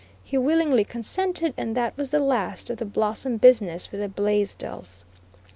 He willingly consented and that was the last of the "Blossom" business with the Blaisdells.